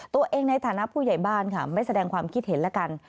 ในฐานะผู้ใหญ่บ้านค่ะไม่แสดงความคิดเห็นแล้วกัน